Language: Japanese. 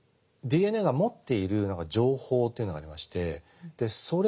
ＤＮＡが持っている情報というのがありましてそれが遺伝子。